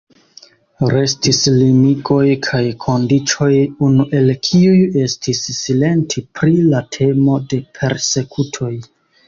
Restis limigoj kaj kondiĉoj, unu el kiuj estis silenti pri la temo de persekutoj.